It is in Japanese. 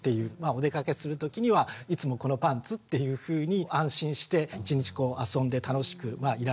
お出かけするときにはいつもこのパンツっていうふうに安心して一日遊んで楽しくいられる。